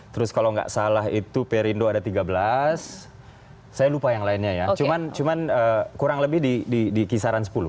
terus kalau nggak salah itu perindo ada tiga belas saya lupa yang lainnya ya cuma kurang lebih di kisaran sepuluh